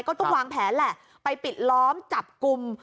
ก็ต้องวางแผนแหละไปปิดล้อมจับกลุ่ม